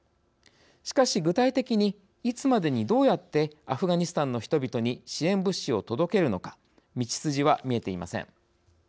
しかし、具体的に、いつまでにどうやってアフガニスタンの人々に支援物資を届けるのか道筋は見えていません。